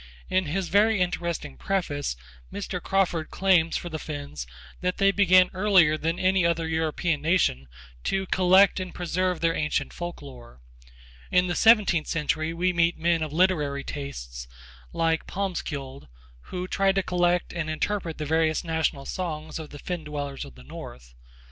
In his very interesting preface Mr. Crawford claims for the Finns that they began earlier than any other European nation to collect and preserve their ancient folklore. In the seventeenth century we meet men of literary tastes like Palmskold who tried to collect and interpret the various national songs of the fen dwellers of the North.